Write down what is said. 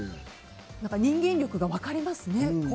人間力が分かりますね